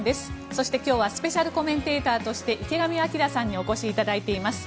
そして、今日はスペシャルコメンテーターとして池上彰さんにお越しいただいています。